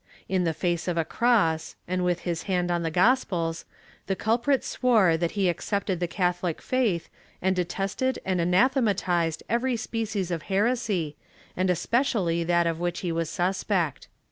In the face of a cross and with his hand on the gospels, the culprit swore that he accepted the Catholic faith and detested and anathematized every species of heresy, and especially that of which he was suspect.